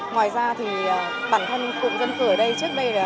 ngoài ra thì bản thân cụm dân cư ở đây